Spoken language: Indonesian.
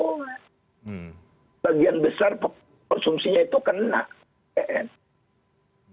bagian besar konsumsinya itu kena ppn